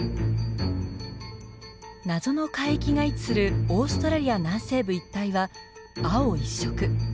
謎の海域が位置するオーストラリア南西部一帯は青一色。